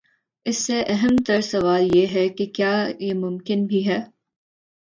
اس سے اہم تر سوال یہ ہے کہ کیا یہ ممکن بھی ہے؟